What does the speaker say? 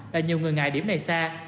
là nhiều người ngại điểm này xa